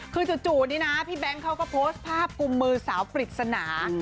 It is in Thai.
คือจู่นี่นะพี่แบงค์เขาก็โพสต์ภาพกุมมือสาวปริศนา